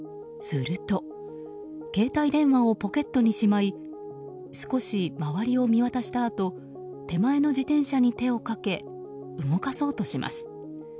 すると携帯電話をポケットにしまい少し周りを見渡したあと手前の自転車に手をかけ動かそうとします。